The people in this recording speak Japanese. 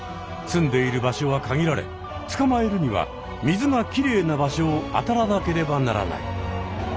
すんでいる場所は限られつかまえるには水がキレイな場所を当たらなければならない。